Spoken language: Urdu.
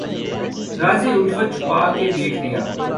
راز الفت چھپا کے دیکھ لیا